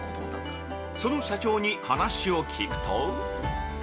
その社長に話を聞くと。